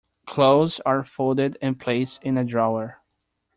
Clothes are folded and placed in a drawer.